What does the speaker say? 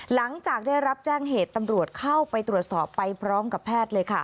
หลังจากได้รับแจ้งเหตุตำรวจเข้าไปตรวจสอบไปพร้อมกับแพทย์เลยค่ะ